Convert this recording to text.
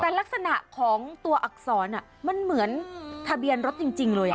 แต่ลักษณะของตัวอักษรมันเหมือนทะเบียนรถจริงเลย